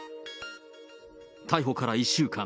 逮捕から１週間。